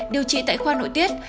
điều trị tại khoa nội tiết